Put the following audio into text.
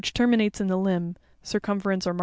terminates in the limb, circum ference or margin.